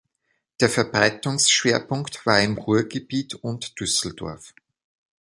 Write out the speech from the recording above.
Der Verbreitungsschwerpunkt war im Ruhrgebiet und Düsseldorf.